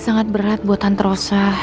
sangat berat buatan terosah